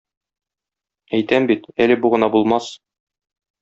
Әйтәм бит, әле бу гына булмас.